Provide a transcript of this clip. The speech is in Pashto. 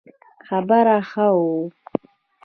خبر ښه وو